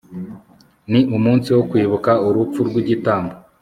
Ni umunsi wo kwibuka urupfu rw igitambo